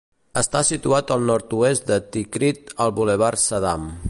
Està situat al nord-oest de Tikrit al Bulevard Saddam.